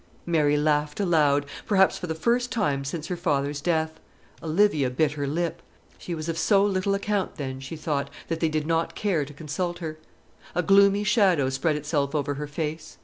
Mary laughed aloud perhaps for the first time since her father's death. Olivia bit her lip. She was of so little account, then, she thought, that they did not care to consult her. A gloomy shadow spread itself over her face.